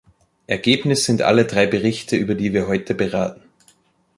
Ergebnis sind alle drei Berichte, über die wir heute beraten.